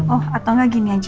oh atau nggak gini aja